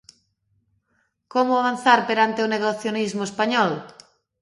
Como avanzar perante o negacionismo español?